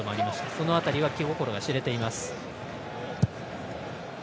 その辺りは気心が知れています。